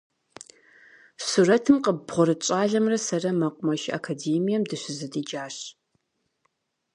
Сурэтым къыббгъурыт щӏалэмрэ сэрэ мэкъумэш академием дыщызэдеджащ.